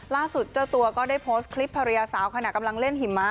ล่าสุดเจ้าตัวก็ได้โพสต์คลิปภรรยาสาวขณะกำลังเล่นหิมะ